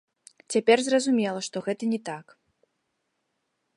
Цяпер зразумела, што гэта не так.